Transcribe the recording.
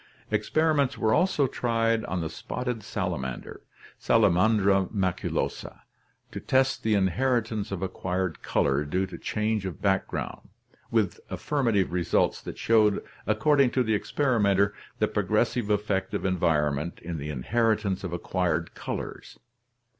Experiments were also tried on the spotted salamander, Sala mandra maculosa, to test the inheritance of acquired color due to change of background, with affirmative results that showed, ac cording to the experimenter, the progressive effect of environment in the inheritance of acquired colors.